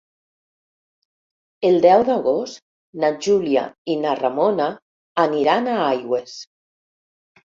El deu d'agost na Júlia i na Ramona aniran a Aigües.